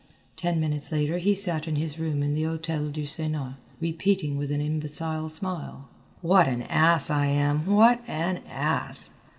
Ten minutes later he sat in his room in the Hôtel du Sénat repeating with an imbecile smile: "What an ass I am, what an ass!"